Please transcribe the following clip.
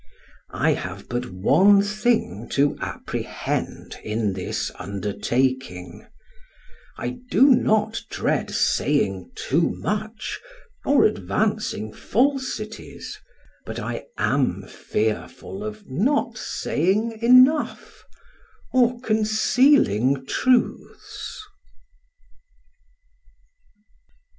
I have but one thing to apprehend in this undertaking: I do not dread saying too much, or advancing falsities, but I am fearful of not saying enough, or concealing truths.